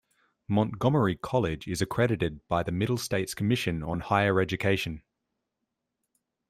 Montgomery College is accredited by the Middle States Commission on Higher Education.